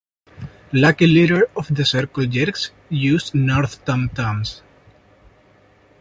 Lucky Lehrer of the Circle Jerks used North tom-toms.